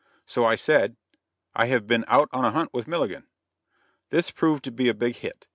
So I said: "I have been out on a hunt with Milligan." This proved to be a big hit.